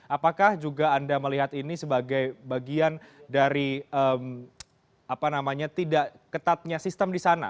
apakah juga anda melihat ini sebagai bagian dari tidak ketatnya sistem di sana